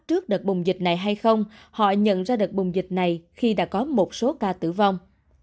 trước đợt bùng dịch này hay không họ nhận ra đợt bùng dịch này khi đã có một số ca tử vong